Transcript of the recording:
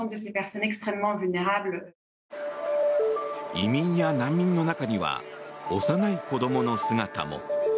移民や難民の中には幼い子供の姿も。